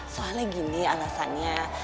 soalnya gini alasannya